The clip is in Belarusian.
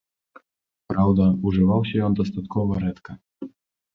Праўда, ужываўся ён дастаткова рэдка.